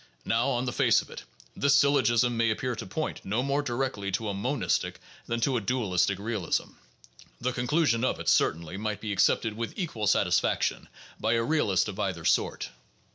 Now, on the face of it, this syl logism may appear to point no more directly to a monistic than to a dualistic realism; the conclusion of it, certainly, might be accepted with equal satisfaction by a realist of either sort.